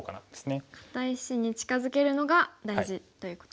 堅い石に近づけるのが大事ということ。